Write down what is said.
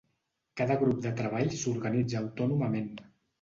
Cada grup de treball s’organitza autònomament.